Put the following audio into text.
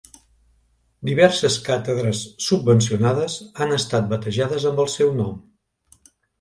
Diverses càtedres subvencionades han estat batejades amb el seu nom.